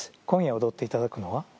今夜踊っていただくのは？